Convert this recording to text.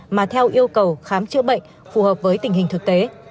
mà theo yêu cầu khám chữa bệnh phù hợp với tình hình thực tế